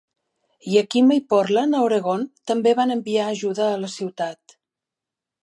Yakima i Portland a Oregon també van enviar ajuda a la ciutat.